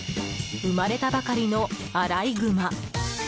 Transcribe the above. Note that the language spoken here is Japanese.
生まれたばかりのアライグマ。